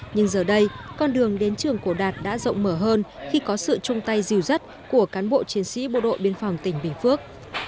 nhưng giờ đây con đường đến trường của đạt đã rộng mở hơn khi có sự chung tay dìu dắt của cán bộ chiến sĩ bộ đội biên phòng tỉnh bình phước